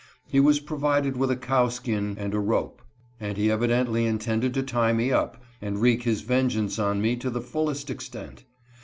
He was provided with a cowskin and a (164) IN THE WOODS. 165 rope, and he evidently intended to tie me up, and wreak his vengeance on me to the fullest extent.